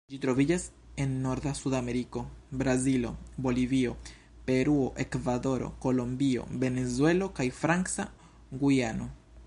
Ĝi troviĝas en norda Sudameriko: Brazilo, Bolivio, Peruo, Ekvadoro, Kolombio, Venezuelo, kaj Franca Gujano.